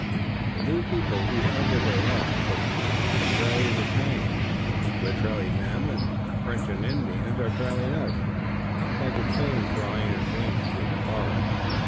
"The new people, whoever they are," said Robert, "are trailing the train, we're trailing them, and the French and Indians are trailing us. It's like a chain drawing its links through the forest."